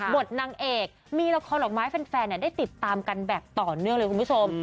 นางเอกมีละครดอกไม้แฟนได้ติดตามกันแบบต่อเนื่องเลยคุณผู้ชม